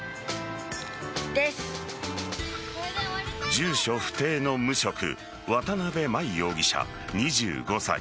住所不定の無職渡辺真衣容疑者、２５歳。